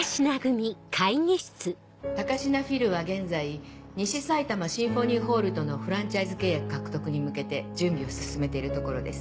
高階フィルは現在西さいたまシンフォニーホールとのフランチャイズ契約獲得に向けて準備を進めているところです。